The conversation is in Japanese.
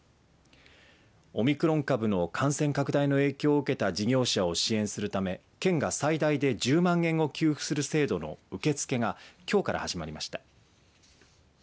オミクロン株の感染拡大の影響を受けた事業者を支援するため県が最大で１０万円を給付する制度の受け付けがきょうから始まりました。